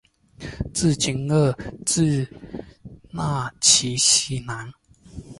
治今额济纳旗西南。